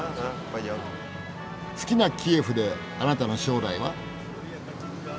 好きなキエフであなたの将来は？